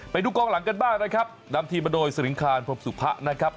ไปดูกองหลังกันบ้างนะครับนำทีมมาโดยสริงคารพรมสุภะนะครับ